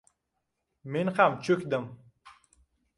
Men ham cho`kdim